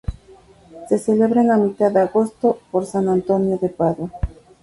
Se celebran a mitad de agosto, por San Antonio de Padua.